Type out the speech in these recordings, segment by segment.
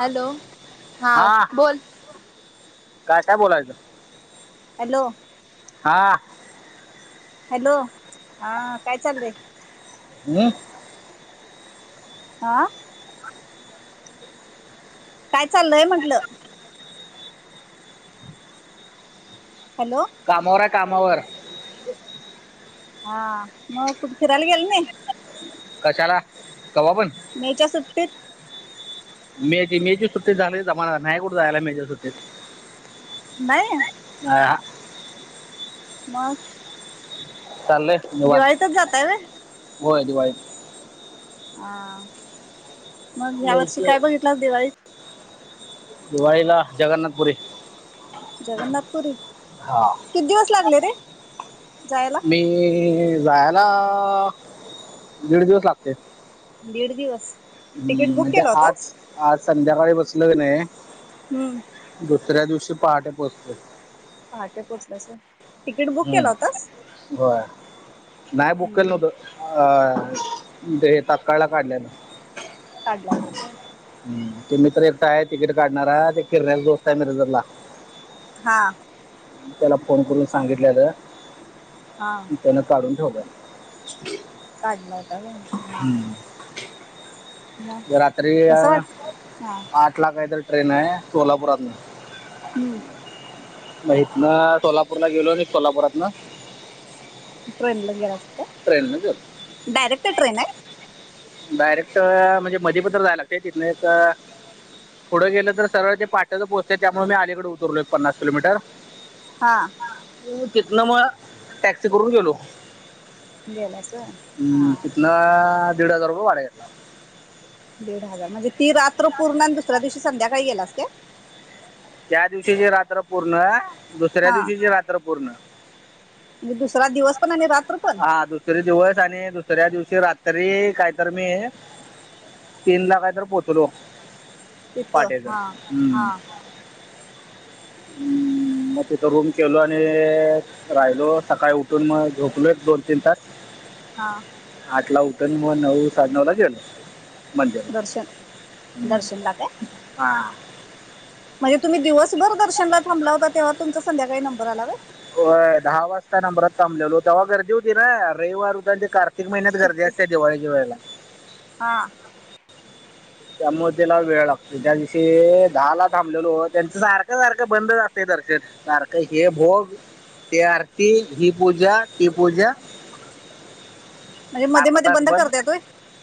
Hello, हां हा बोल. काय काय बोलायचं? हॅलो. हां. हॅलो, हां काय चालयं? मीं. आं. काय चालय म्हंटल? हॅलो कामावर आहे कामावर [unintelligible] हां मग कुठ फिराला गेल नाही. चला. मेच्या सुट्टीत. मे मेझी सुट्टीत [unintelligible] नाही कुठं जायला मेझ सुट्टीत. नाहीय. हा, मग. चालंय निवांत, दिवाळीतच जातय व होय दिवाई हा, मग ह्या वर्षी मेचे काय बघितलंस दिवाळीत? दिवाळीला जगन्नाथपुरी. जगन्नाथपुरी हा किती दिवस लागले रे. जायला मी जायला दीड दिवस लागतंय. दीड दिवस. तिकीट हम्म बुक म्हणजे केलं आज होतास आज संध्याकाळी बसल हम्म नाही दुसऱ्या दिवशी पहाटे पोचतोय. पहाटे पोचलंच हम्म हो नाही बुक केलं नव्हतं अ हे तातकाळला काढलेलं काडला तर ते मित तर्र एकटा आहे तिकीट काढणारह ते किरण्याचा दोस्त आहे मिरेजरला हा त्याला फोन करून सांगितल्या तर हा त्यान काढून ठेव काडलाता होता व्हय हर रात्री हा आठ ला काही तर ट्रेन आहे सोलापुरात हम्म मात ना सोलापूरला गेलो ना सोलापुरात ना ट्रेनला ग र अस गेलो डयरक्ट ट्रेन आहे डायरेक्ट म्हणजे मध्येे पत्र जायलागते तिथन एक पुढं गेलं तर सरळ ते पाट्याच पोहचते त्यामुळे मी आलीकडे उतरलो एक पन्नास किलोमीटर हा तीतन म टॅक्सी करून गेलो गेलास होय हम्म हा कितना दीड हजार रुपये वाढा घेतला दीड हजार म्हणजे ती रात्र पूर्ण आणि दुसऱ्या दिवशी संध्याकाळी गेलास का त्या दिवशीची रात्र पूर्ण दुसऱ्या हा दिवशीचे रात्र पूर्ण म्हणजे दुसरा दिवस पण आणि रात्र पण हा दुसरे दिवस आणि दुसऱ्या दिवशी रात्री कायतर मी तीन ला काहीतर पोहोचलो तिथं पाटेसर हा हम्म हा हम्म मग तिथं रूम केलो आणि राहिलो सकाळी उठून मग झोपलो एक दोन तीन तास हा आठ ला उतरणी म नऊ सात नऊ ला गेल मज दर्शन हम् दर्शनला काय हा म्हणजे तुम्ही दिवसभर दर्शनला थांबला होता तेव्हा तुमचा संध्याकाळी नंबर आलावा दहा वाजता नंमरात थबलेलो तेव्हा गर्दी होती ना रविवार उदचे कारख प्रत्येक महिन्यात गर्दी सुट्टी असते दिवाळीच्या वेळेला हा त्यामुळे त्याला वेळ लागतो त्या दिवशी ाला थांबलेलो त्यांच सारख्या सारखं बंद ज कार का हे भोग ते आरती ही पूजा ती पूजा म्हणजे मध्ये अर्धा मध्ये तास बंद करते य तोय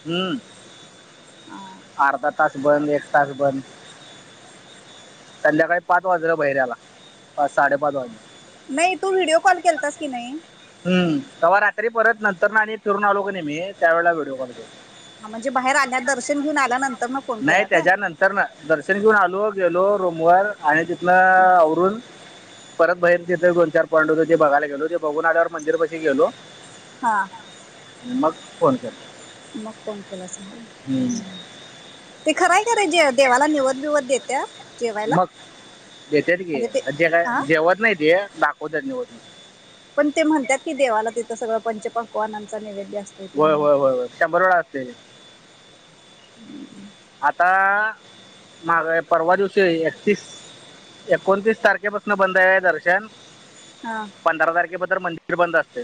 हम्म अर्धा तास बंद एक तास बंद संध्याकाळी पाच वाजलं बहिर्याला पाच साडेपाच वाज नाही तू व्हिडिओ कॉल केतास की नाही हम्म तेव्हा रात्री परत नंतर ना आणि फिरून आलो का नाही मी त्यावेेळेला व्हिडिओ कॉल के हा म्हणजे बाहेर आल्या दर्शन घेऊन आल्यानंतर न फोन नाही केला काय त्याच्यानंतर ना दर्शन घेऊन आलो गेलो रूम वर आणि अरुण परत बहीर तिथे दोन चार पॉइंड हो ते बघाय गेलो ते बघूननाड्यावर मंदिर पाशी गेलो हा मग फोन के मग फोन केलाचम् ते खराय खरे जे देवाला निवत बिवत देत्या जेवायला मग देत गी म्हणजे ते जे काय हा जेवत नाही ते दाखवत निवत पण ते म्हणतात की देवाला तिथं सगळं पंच पक्वानांचा निवेदन होय होय होय होय शंभर वेळा असते हम्म आता मग परवा दिवशी एकतीस एकोणतीस तारखेपासून बंद आहे दर्शन हा पंधरा तारखे बदर मंदिर बंद असते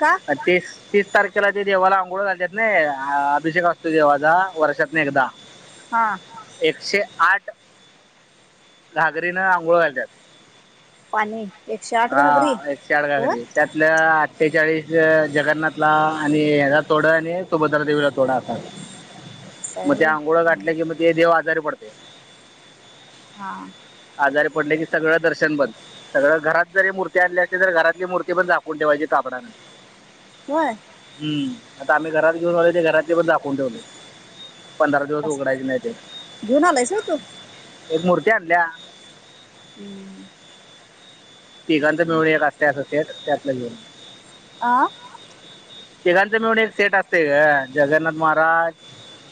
का आणि तस तीस तारखेला ते देवाला आंघोळ घालतात ना अभिषेक असतो देवाचा वर्षात नाही एकदा हा एकशे आठ घागरीन आंघोळ घालतात पाणी एकशे आठ हा घागरी एक शडगा होय घरी त्यातल्या तेचाळीस जगन्नाथला आणि ह्याचा तोडा आणि सुभद्रादेवीला तोडा असा असं मग ते आहे होय आंघोळ गाठल्या की मग ते देव आजारी पडते हा आजारी पडले की सगळं दर्शन बंद सगळं घरात जरी मूर्ती आणली असते तर घरातली मूर्ती बंदखून ठेव जी कापडने होय आता आम्ही घरात घेऊन आले ते घरातले पण दाखवून ठेवले पंधरा दिवस असं उघडायचे नाही ते घेऊन आलायस होय तू एक मूर्ती आणल्या हम्म तिघांत मिळून एक असते अस त्यात घेऊन आं तेिघांच मिळून एक सेट असते ग जगन्नाथ महाराज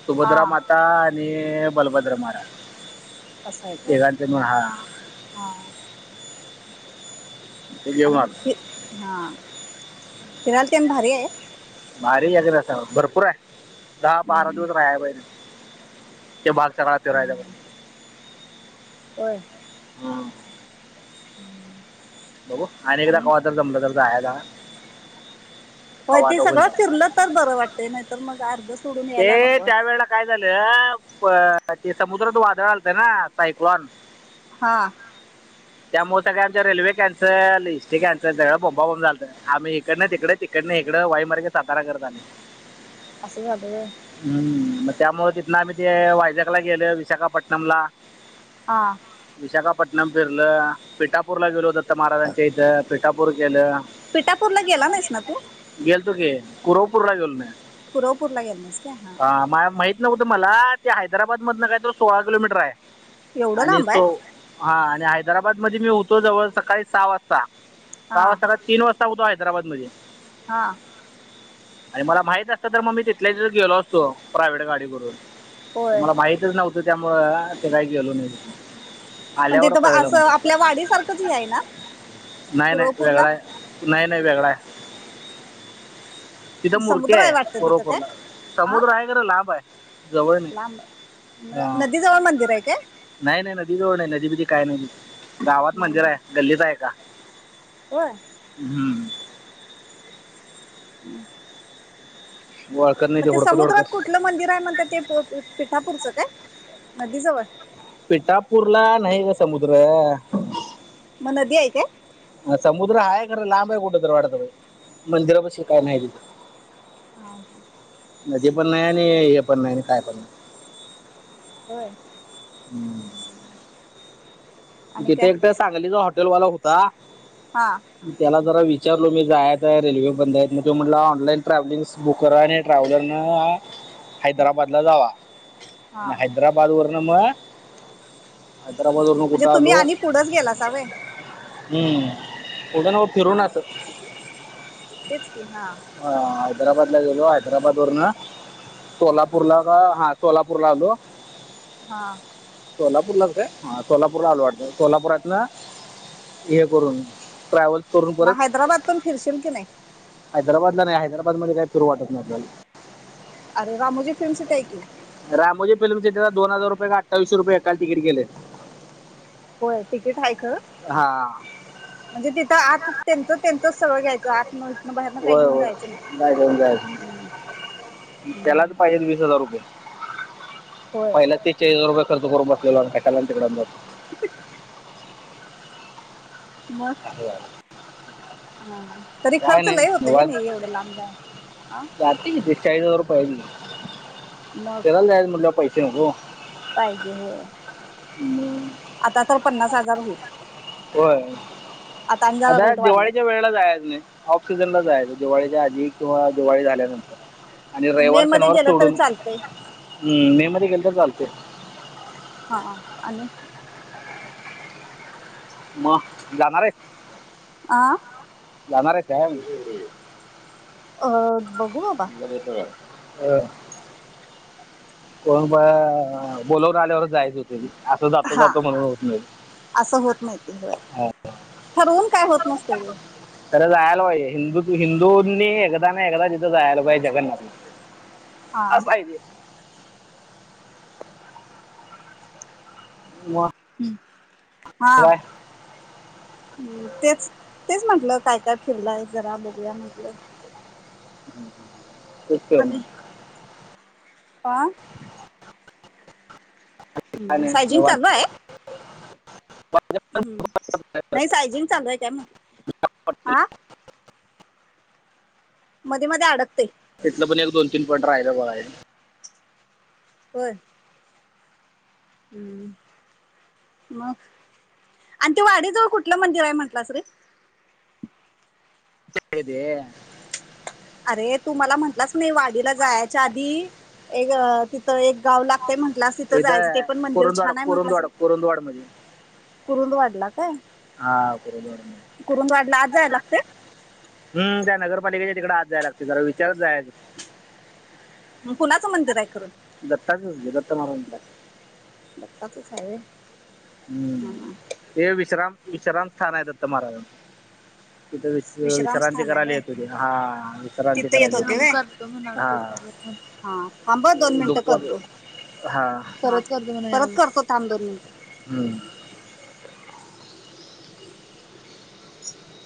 सुभद्रा हा माता आणि बलभद्र महाराज अससं आहेच तिघांचं मिळून ह हा हा ते घेऊन आलो आणिि हा फिराल ते भारी आहे माारी याक भरपूर आहे दहा बारा हम्म, दिवस राहा बहि ते बागचालाात रायबा हा. हा हम्म बघ अकदा क तर जमलं तर होय कवा ते आता होईल सगळं बघा. फिरलं तर बरं वाटत नाहीतर मग अर्ध सोडून यायला ये नको त्या वाटतंय. वेळा काय झालं अ ते समुद्रात वादळ घलतं ना सायक्लॉन हा त्यामुळे सगं आमच्या रेल्वे कनसल हिस्ट्री कॅन्सल सगळ बोंबांब झालतं आम् इकडे ना तिकडे तिकडे नाही इडं वाई मार्गे सातारा करत आणि असं झालं होय. हम्म त्यामुळ तिथन आम्ही ते वाैजग ला गेलो विशाखापटणम ला हा विशाखापटणम फिरलं पिठापूरला गेलो होत समर्थ महाराजांच्या इथं पिठापूर केलं पिठापूरला गेला नाहीस ना तू गेलतो की फिरायला पुरं ह माहित नकत मला ते हैदराबाद मधन काय तर सोळा किलोमीटर आहे एवढं आणि लांब आहे सो हा आणि हैदराबाद मध्ये मी होतो जवळ सकाळी सहा वाजता हा सहा वाजता तीन वाजता होतो हैदराबाद मध्ये हा आणि मला माहित असतं तर मग मी तिथल्या गेलो असतो प्रायव्हेट गाडीवरून त होय. मला माहितच नव्हतं त्यामुळं ते काही गेलो नाही पण आल्यावर तेथं कळलं असं मला आपल्या वाडीसारखंच ह आहे ना नाही नाही कुरवपूरला वेगळा आहे नाही नाही वेगळा आहे तिथं समुद्र आहे वाटतं तिथं काय मुरक हा समुद्र आहे कार लाभ आहे जवळ नाही लांब ह नदी जवळ मंदिर आहे काय? नाही नाही नदी जवळ नाही नदी म काय नाही गावात मंदिर आहे गल्लीच आहे का होय हम्म हम्म वळकर नाही मग ते हुडकत समुद्रात हुडकत कुठलं मंदिर आहे म्हणत ते पिठापूरचं काय नदी जवळ पिटापूरला नाही ग समुद्र मग नदी आहेय काय समुद्र हाय खरं लांब आहे कुठं तर वाटतं बा मंदिराप काय नाही हा तिथं नदी पण नाही आणि हे पण नाही आणि काय पण नाही हो हम्म आणि काय तिथे एकट सांगलीचा हॉटेल वाला होता हा त्याला जरा विच विचारलो मी जायत आहे रेल्वे बंद आहेत मग तो म्हटलं ऑनलाईन ट्रॅव्हलिंग् बुक करा आणि ट्रॅ्हलरन हैदराबादला जावा हा आणि हैदराबाद वरन मग हैदराबाद म्हणजे तुम्ही आणि पुढंच गेला सवय हम्म उद्या ना म फिरूनच तेच की हा ह हैदराबाद गेलो हैदराबाद वरन सोलापूरला का हा सोलापूर ला आलो हा सोलापूरलाच का सोलापूरला आल वाटत सोलापूरात ना हे करून ट्रॅव्हल मग हैदराबाद पून फिरशील की नाही हैदराबादला नाही हैदराबाद मध्ये काही सुरवटत नाही आपल्याला अरे रामोजी फिल्म सिटी आहे की रामोजी फिल्म सिटीला दोन हजार रुपये का अठ्ठावीशे रुपये एकाल तिकीट गेले होय तिकीट आहेय ख हा म्हणजे तिथं आत त्यांच त्यांच सगळं घ्यायचं आात म्ह होय हो जाय देऊन हम्म, जायच त्यालाच हम्म. पाहिजे वीस हजार रुपये होय पहिला ते ळी रुपये खर्च करून बसलेला आणि कााला तिकड मग अ हा तरी खर्च लय होत हे नाही एवढं लांबय अ च र पय मग ए जा मुट पैसे नको पाहिजे होय हम्म. आता तर पन्नास हजार होईल होय आणि जरा आता रेट दिवाळीच्या वाढल्यात वेळेला जायच नाही ऑक्सिजनला जायच दिवाळीच्या आधी किंवा दिवाळी झाल्यानंतर आणि मे रविवार मध्ये शनिवार गेलं तरी सोडून चालतंय हम् मे मध्ये गेले तर चालते हा आणि म जाणार रे. आं. अ बघू बाबा. अं. कोण प बोलावर आल्यावर जायच होते. असं जातो हा जातो म्हणून होत नाही असं होत नाही ते होय [unintelligible] ठरवून काय होत नसते ते. तरर जायला पाईे हिंदू हिंदूंनी एकदा ना एकदा. ला जगन्नाथला हा असहिती [unintelligible] म. हा. तेच तेच म्हंटलं, काय काय फिरलं, एक जरा बोघल्या म्हटलं. हम् तच [unintelligible] आ. काय ् नाही सायजिंग निवांत. चालू हाय. हम्म नाही सायजिंग चालू हाय, काय म्हंटल? मध्ये मध्ये अडकतय. इथलं पण एक दोन तीन पॉट राहिला बघ आहे. होय. हम्म. मग आणि ते वाडीजवळ कुठलं मंदिर हाय म्हंटलास रे? दे [unintelligible] अरे तू मला म्हंटलाच नाही, वाडीला जायच्या आधी एक तिथं एक. गाव लागतय म्हंटलंस तिथं जायचं, ते इथं पण मंदिर कोरुंदवाड छान आहे म्हंटलंस. कोरुंदवाड कोरुंदवाड मध्ये कुरुंद वाढला. काय हा बरोबर. कुरुंद वाढला आज जायला लागते हम्म. त्या नगरपालिकेच्या तिकडे आज जायला लागतयं जरा विचारत जायच. कुणाचं मंदिर हाय? दत्ताच दत्त महाराज दत्त दत्ताचच हाय होय. हम्म. हे विश्राम विश्राम स्थान हाय दत्त महाराजांच. तिथं वि विश्राम विश्रांती स्थान आहे करायला व येत होतीत, हा विश्रांती तिथे करायला येत होते व तो होतीत. हा. म्हणावतेच त्याला हा. थांब दोन मिनिटं करतो. हां परत करतो. तो थांब दोन मिनिटं. हम्म.